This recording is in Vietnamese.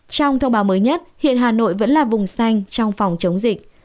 trong thông báo mới nhất hiện hà nội vẫn là vùng xanh trong phòng chống dịch